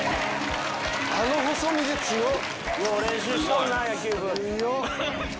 あの細身で強っ！